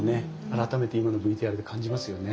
改めて今のＶＴＲで感じますよね。